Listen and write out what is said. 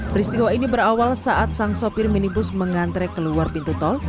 peristiwa ini berawal saat sang sopir minibus mengantre keluar pintu tol